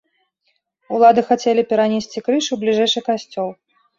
Улады хацелі перанесці крыж у бліжэйшы касцёл.